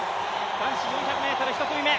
男子４００ｍ、１組目。